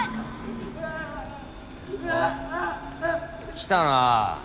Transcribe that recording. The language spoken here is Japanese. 来たな。